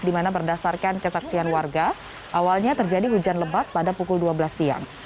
di mana berdasarkan kesaksian warga awalnya terjadi hujan lebat pada pukul dua belas siang